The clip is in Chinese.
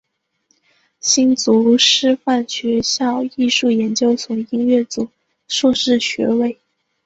新竹师范学校艺术研究所音乐组硕士学位。